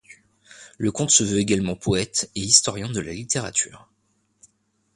Le comte se veut également poète et historien de la littérature.